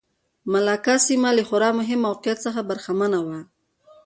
ملاکا سیمه له خورا مهم موقعیت څخه برخمنه وه.